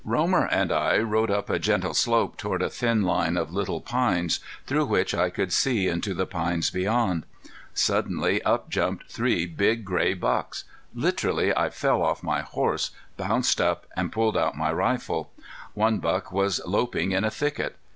Romer and I rode up a gentle slope toward a thin line of little pines, through which I could see into the pines beyond. Suddenly up jumped three big gray bucks. Literally I fell off my horse, bounced up, and pulled out my rifle. One buck was loping in a thicket.